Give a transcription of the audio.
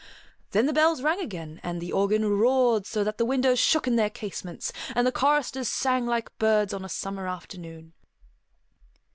Then the bells rang again, the organ roared so that the windows shook in their casements, and the choristers sang like birds on a summer afternoon.